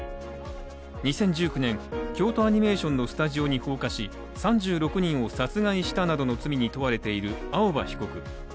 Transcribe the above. ２０１９年、京都アニメーションのスタジオに放火し３６人を殺害したなどの罪に問われている青葉被告。